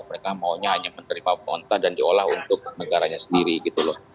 mereka maunya hanya menerima pontah dan diolah untuk negaranya sendiri gitu loh